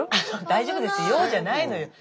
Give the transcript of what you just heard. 大丈夫ですよじゃないのよ。